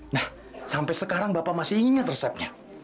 nah sampai sekarang bapak masih ingat resepnya